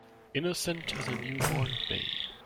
Innocent as a new born babe.